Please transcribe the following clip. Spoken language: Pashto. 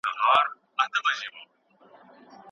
مینه تر اړتیا سپیڅلې ده.